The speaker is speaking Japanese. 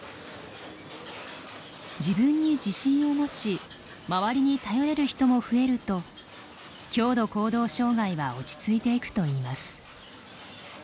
自分に自信を持ち周りに頼れる人も増えると強度行動障害は落ち着いていくといいます。